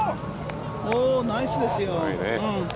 ナイスですよ。